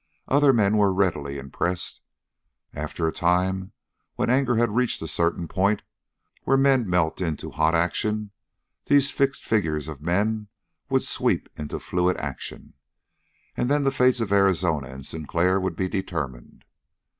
Other men were readily impressed. After a time, when anger had reached a certain point where men melt into hot action, these fixed figures of men would sweep into fluid action. And then the fates of Arizona and Sinclair would be determined.